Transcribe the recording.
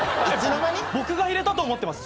僕が入れたと思ってます？